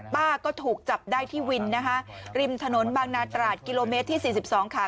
ป้าก็ถูกจับได้ที่วินนะคะริมถนนบางนาตราดกิโลเมตรที่๔๒ค่ะ